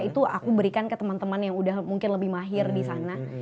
itu aku berikan ke temen temen yang udah mungkin lebih mahir disana